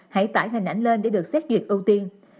hãy tải hình ảnh lên để được xét duyệt ưu tiên